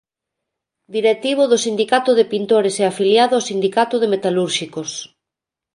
Directivo do Sindicato de pintores e afiliado ao Sindicato de metalúrxicos.